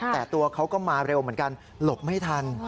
แต่ตัวเขาก็มาเร็วเหมือนกันหลบไม่ทัน